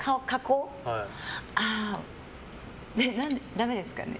ダメですかね？